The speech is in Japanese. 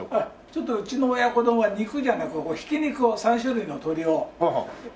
ちょっとうちの親子丼は肉じゃなくひき肉を３種類の鳥を卵でとじて。